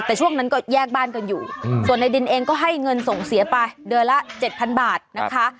แต่ช่วงนั้นก็แยกบ้านกันอยู่ส่วนในดินเองก็ให้เงินส่งเสียไปเดือนละ๗๐๐บาทนะคะ